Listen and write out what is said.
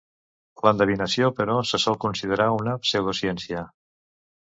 L'endevinació, però, se sol considerar una pseudociència.